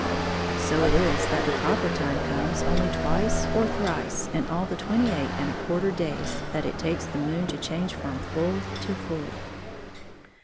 So it is that the proper time comes only twice or thrice in all the twenty eight and a quarter days that it takes the moon to change fi om fiill to full.